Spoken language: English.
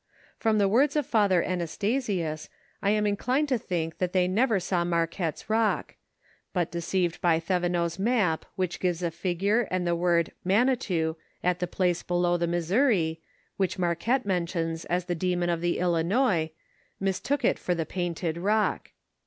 From tho words of Fathor Annstasiui', I nm inclined to think, that they never sow Murciuotto's rook ; but doooived by 'Diovenot'H map which (?ivoH a finuro and t^o word Mnnitou at the place below the MisHoiiri, which Marquette men tions OS the demon of the Illinois, mistook it for tho painted rock.